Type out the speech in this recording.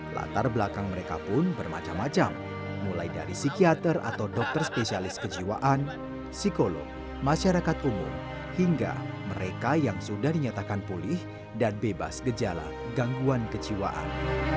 latar belakang mereka pun bermacam macam mulai dari psikiater atau dokter spesialis kejiwaan psikolog masyarakat umum hingga mereka yang sudah dinyatakan pulih dan bebas gejala gangguan kejiwaan